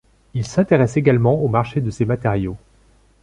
Il s'intéresse également au marché de ces matériaux.